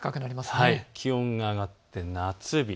気温が上がって夏日。